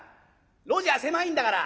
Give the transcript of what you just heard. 路地は狭いんだから。